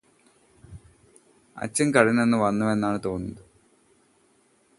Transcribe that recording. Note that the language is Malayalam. അച്ഛന് കടയില് നിന്ന് വന്നുവെന്നാണ് തോന്നുന്നത്